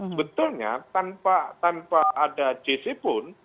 sebetulnya tanpa ada jc pun